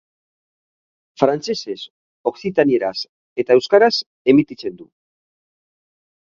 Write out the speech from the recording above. Frantsesez, okzitanieraz eta euskaraz emititzen du.